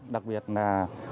đặc biệt là